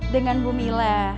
dengan bumi la